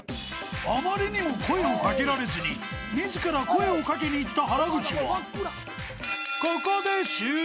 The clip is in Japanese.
［あまりにも声を掛けられずに自ら声を掛けに行った原口はここで］